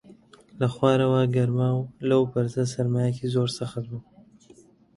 لە خوارەوە گەرما و لەو بەرزە سەرمایەکی زۆر سەخت بوو